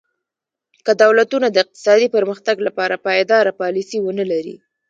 که دولتونه د اقتصادي پرمختګ لپاره پایداره پالیسي ونه لري.